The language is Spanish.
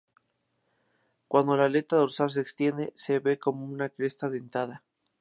Cuando la aleta dorsal se extiende, se ve como una cresta dentada.